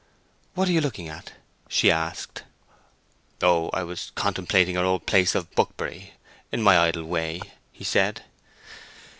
"What are you looking at?" she asked. "Oh! I was contemplating our old place of Buckbury, in my idle way," he said.